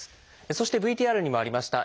そしてＶＴＲにもありました